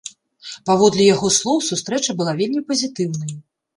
Паводле яго слоў сустрэча была вельмі пазітыўнай.